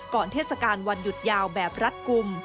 ก่อนเทศกาลวันหยุดยาวแบบรัฐกุม